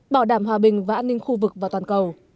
bảo đảm hòa bình và an ninh khu vực và toàn cầu